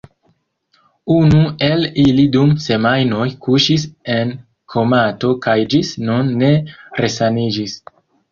Unu el ili dum semajnoj kuŝis en komato kaj ĝis nun ne resaniĝis.